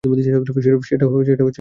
সেটা নির্ভর করছে।